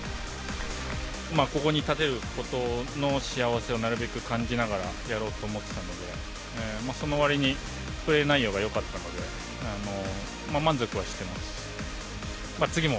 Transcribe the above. ここに立てることの幸せをなるべく感じながらやろうと思ってたので、そのわりに、プレー内容がよかったので、満足はしてます。